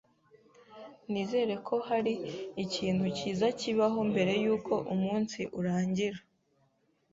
Nizere ko hari ikintu cyiza kibaho mbere yuko umunsi urangira.